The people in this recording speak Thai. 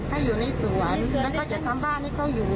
ให้อยู่ในสวนแล้วก็จะทำบ้านให้เขาอยู่